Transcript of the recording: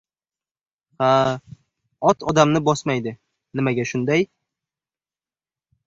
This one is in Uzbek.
— Ha-a, Ot odamni bosmaydi, nimaga shunday?